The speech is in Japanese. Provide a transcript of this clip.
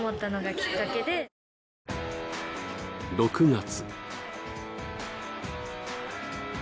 ６月。